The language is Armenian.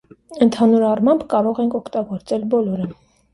Ընդհանուր առմամբ կարող ենք օգտագործել բոլորը։